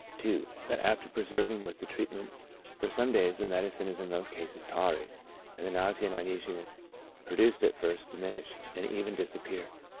2. That after persevering with the treatment for some days, the medicine is in most cases tolerated, and the nausea and uneasiness produced at first, diminish, and even dis appear.